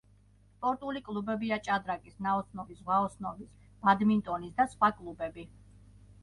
სპორტული კლუბებია ჭადრაკის, ნაოსნობის, ზღვაოსნობის, ბადმინტონის და სხვა კლუბები.